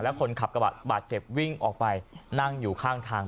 คนขับกระบะบาดเจ็บวิ่งออกไปนั่งอยู่ข้างทาง